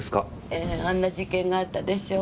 ええあんな事件があったでしょ。